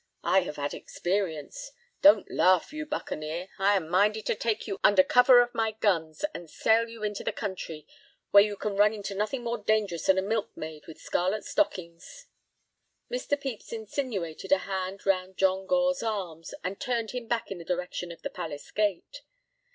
I have had experience. Don't laugh, you buccaneer. I am minded to take you under cover of my guns, and sail you into the country, where you can run into nothing more dangerous than a milkmaid with scarlet stockings." Mr. Pepys insinuated a hand round John Gore's arm, and turned him back in the direction of the Palace Gate.